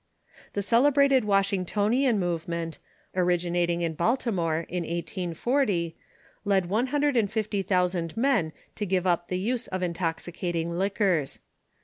The cele brated Washingtonian movement, originating in Baltimore in 1840, led one hundred and fifty thousand men to give up the use of intoxicating liquors.